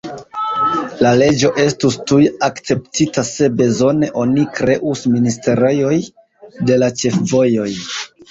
La leĝo estus tuj akceptita: se bezone, oni kreus ministrejon de la ĉefvojoj.